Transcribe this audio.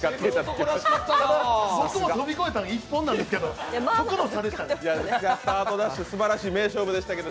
僕も飛び越えたの１本だったんですけど、そこの差でしたね。